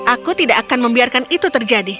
aku tidak akan membiarkan itu terjadi